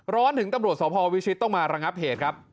ร้อนถึงตำรวจสพวิชิตต้องมาระงับเหตุครับ